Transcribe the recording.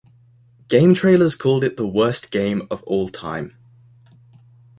GameTrailers called it the worst game of all time.